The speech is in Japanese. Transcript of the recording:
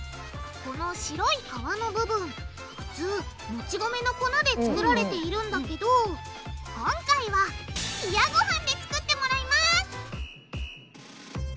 この白い皮の部分普通もち米の粉で作られているんだけど今回は冷やごはんで作ってもらいます！